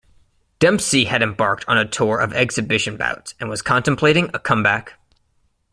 Dempsey had embarked on a tour of exhibition bouts and was contemplating a comeback.